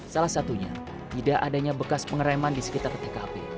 salah satunya tidak adanya bekas pengereman di sekitar tkp